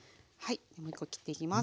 もう一個切っていきます。